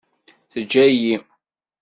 Teǧǧa-yi.